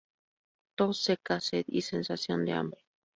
Tos seca, sed y sensación de hambre.